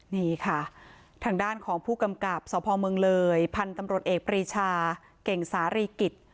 นี่ค่ะทางด้านของผู้กำกับสพเมืองเลยพันธุ์ตำรวจเอกปรีชาเก่งสารีกิจ